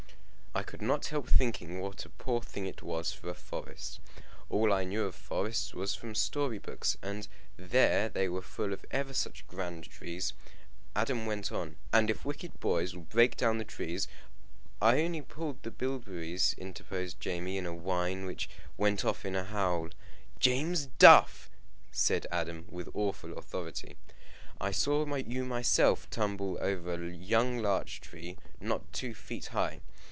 I could not help thinking what a poor thing it was for a forest. All I knew of forests was from story books, and there they were full of ever such grand trees. Adam went on "And if wicked boys will break down the trees " "I only pulled the bilberries," interposed Jamie, in a whine which went off in a howl. "James Duff!" said Adam, with awful authority, "I saw you myself tumble over a young larch tree, not two feet high."